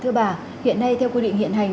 thưa bà hiện nay theo quy định hiện hành